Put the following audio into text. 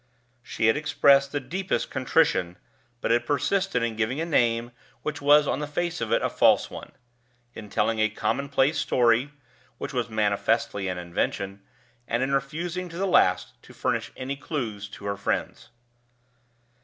She had expressed the deepest contrition, but had persisted in giving a name which was on the face of it a false one; in telling a commonplace story, which was manifestly an invention; and in refusing to the last to furnish any clew to her friends.